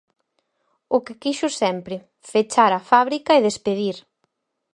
"O que quixo sempre: fechar a fábrica e despedir".